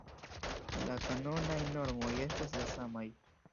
La kanonaj normoj estas la samaj.